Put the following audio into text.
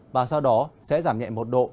và sau đó sẽ giảm nhẹ một độ